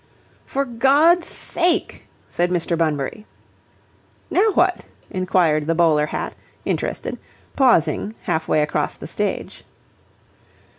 "For God's sake!" said Mr. Bunbury. "Now what?" inquired the bowler hat, interested, pausing hallway across the stage.